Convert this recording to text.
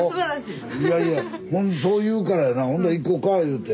いやいやそう言うからやなほんだら行こうか言うて。